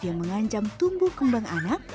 yang mengancam tumbuh kembang anak